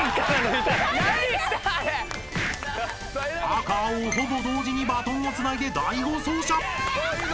［紅青ほぼ同時にバトンをつないで第５走者］